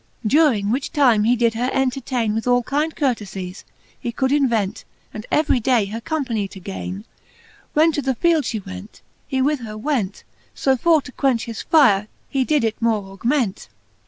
During which time he did her entertaine With all kind courtefies, he could invent; And every day, her companie to gaine. When to the field (he went, he with her went s So for to quench his fire, he did it more augment.